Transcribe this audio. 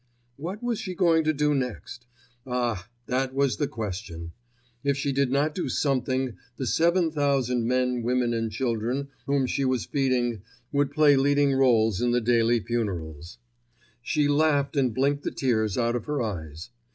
What was she going to do next? Ah, that was the question! If she did not do something the seven thousand men, women and children whom she was feeding would play leading rtles in the daily funerals. She laughed and blinked the tears out of her eyes.